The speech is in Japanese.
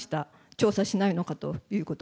調査しないのかということ。